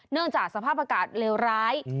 เนื่องจากสภาพอากาศเลวร้าย